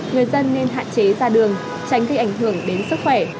người dân nên hạn chế ra đường tránh gây ảnh hưởng đến sức khỏe